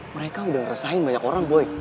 mereka udah ngerasain banyak orang boy